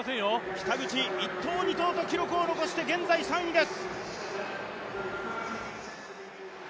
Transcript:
北口、１投、２投と記録を伸ばして現在３位です。